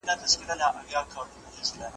لقمانه ډېر به راوړې د خپل عقل مرهمونه .